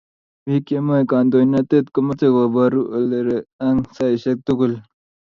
Biik che me kaintoinate komeche koboru ore ang saisie tugul.